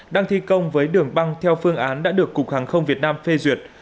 đang thi công với đường băng theo phương án đã được cục hàng không việt nam phê duyệt